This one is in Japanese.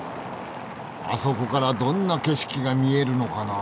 あそこからどんな景色が見えるのかなあ？